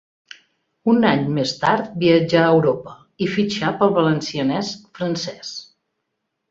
Un any més tard viatjà a Europa i fitxà pel Valenciennes francès.